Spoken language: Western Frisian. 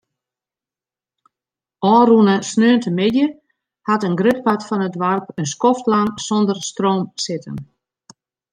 Ofrûne sneontemiddei hat in grut part fan it doarp in skoftlang sonder stroom sitten.